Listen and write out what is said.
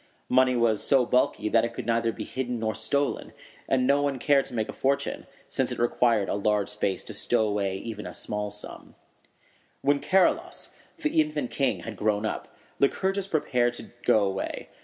Money was so bulky that it could neither be hidden nor stolen; and no one cared to make a fortune, since it required a large space to stow away even a small sum. When Charilaus, the infant king, had grown up, Lycurgus prepared to go away.